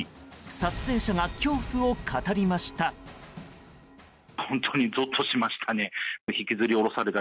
撮影者が恐怖を語りました。